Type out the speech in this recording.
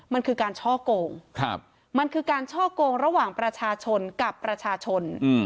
มันคือการช่อกงมันคือการช่อกงระหว่างประชาชนกับประชาชน